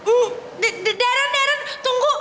uh d d daran daran tunggu